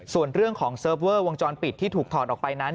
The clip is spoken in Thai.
ส่วนเรื่องของเซิร์ฟเวอร์วงจรปิดที่ถูกถอดออกไปนั้น